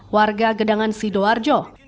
warga gedangan sidoarjo